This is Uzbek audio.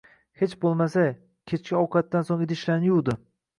Hech boʻlmasa, kechki ovqatdan soʻng, idishlarni yuvdi